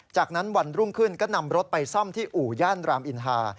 จากนั้นวันรุ่งขึ้นก็นำรถไปซ่อมที่อู่ย่านรามอินทา